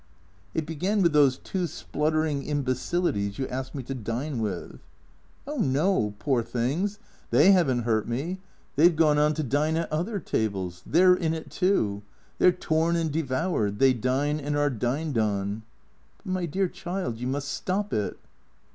" It began with those two spluttering imbecilities you asked me to dine with." " Oh no, poor things, they have n't hurt me. They 've gone on to dine at other tables. They 're in it, too. They 're torn and devoured. They dine and are dined on." " But, my dear child, you must stop it."